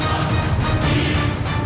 program dari luar intranet